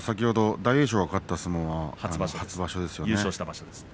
大栄翔が勝ったのは初場所ですよね。